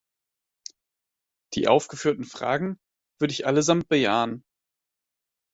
Die aufgeführten Fragen würde ich allesamt bejahen.